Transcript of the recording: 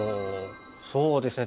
そうですね